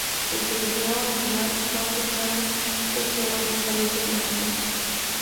El seleccionado nacional Juan Toscano fue el Jugador Más Valioso de la Final.